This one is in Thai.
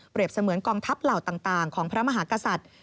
เปรียบเสมือนกองทัพเหล่าต่างของพระมหากศัฒน์